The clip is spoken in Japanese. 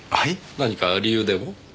何か理由でも？